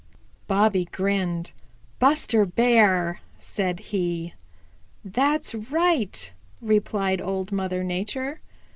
Bobby grinned. "Buster Bear," said he. "That's right," replied Old Mother Nature.